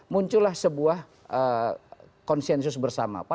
munculah sebuah konsensus bersama